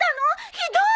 ひどい！